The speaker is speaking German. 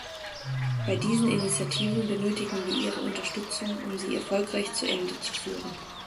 Bei diesen Initiativen benötigen wir Ihre Unterstützung, um sie erfolgreich zu Ende zu führen.